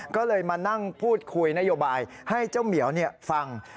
ก็เลยมานั่งพูดคุยนโยบายให้เจ้าเหมียวฟัง